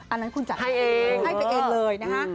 อันนั้นคุณจัดให้เองให้ไปเองเลยนะคะ